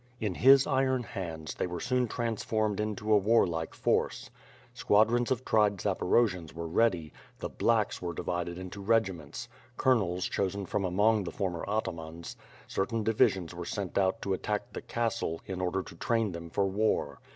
In his iron hands, they were soon transformed into a war like force. Squadrons of tried Zaporojians were ready; the "blacks" were divided into regiments; Colonels chosen from among the former atamans; certain divisions were sent out to attack the castle, in order to train them for war.